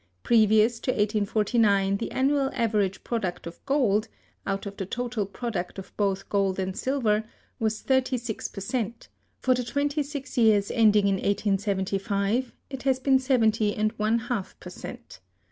Previous to 1849 the annual average product of gold, out of the total product of both gold and silver, was thirty six per cent; for the twenty six years ending in 1875, it has been seventy and one half per cent.